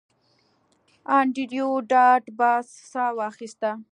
انډریو ډاټ باس ساه واخیسته